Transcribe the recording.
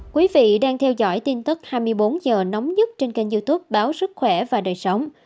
quý vị đang theo dõi tin tức hai mươi bốn h nóng nhất trên kênh youtube báo sức khỏe và đời sống